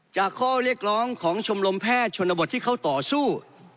ข้อเรียกร้องของชมรมแพทย์ชนบทที่เขาต่อสู้